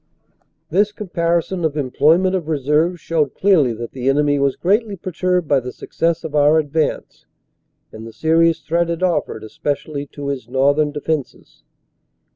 This comparison of employment of reserves showed clearly that the enemy was greatly perturbed by the success of our advance, and the serious threat it offered especially to his northern defenses.